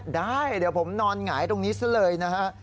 ได้เดี๋ยวผมนอนหงายตรงนี้ซะเลยนะฮะ